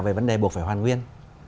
về vấn đề buộc phải hoàn nguyên